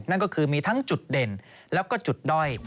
นั่นก็คือมีทั้งจุดเด่นแล้วก็จุดด้อย